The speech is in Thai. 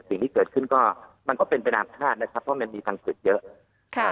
สิ่งที่เกิดขึ้นก็มันก็เป็นเป็นอาฆาตนะครับเพราะมันมีฟังสืบเยอะ